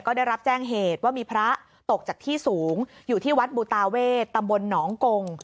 ก็ได้รับแจ้งเหตุว่ามีพระตกจากที่สูงอยู่ที่วัดบูตาเวทตำบลหนองกง